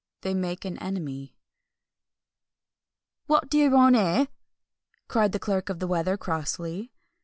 THEY MAKE AN ENEMY "What do you want here?" cried the Clerk of the Weather, crossly.